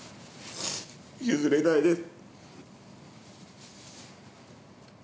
譲れないです。